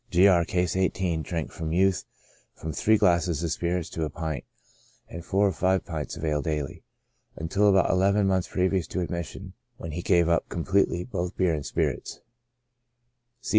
G. R — (Case 18) drank from youth from three glasses of spirits to PREDISPOSING CAUSES. 45 a pint, and four or five pints of ale daily, until about eleven months previous to admission, v^hen he gave up completely both beer and spirits.